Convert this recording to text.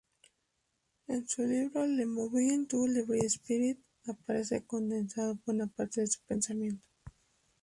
En su libro Le mouvement du libre-esprit aparece condensado buena parte de su pensamiento.